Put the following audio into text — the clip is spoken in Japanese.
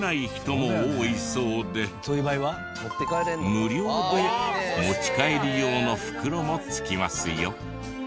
無料で持ち帰り用の袋もつきますよ。